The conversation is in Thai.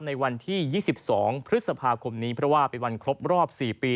ในวันที่๒๒พฤษภาคมนี้เพราะว่าเป็นวันครบรอบ๔ปี